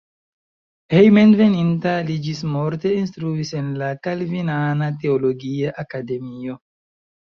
Hejmenveninta li ĝismorte instruis en la kalvinana teologia akademio.